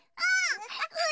うん！